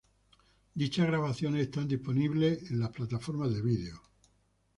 Dichas grabaciones están disponibles en la plataforma YouTube.